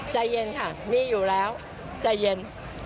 ใจเย็นค่ะมีอยู่แล้วใจเย็น